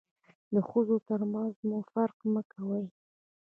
د ښځو تر منځ مو فرق مه کوئ.